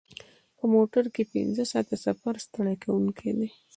په موټر کې پنځه ساعته سفر ستړی کوونکی دی.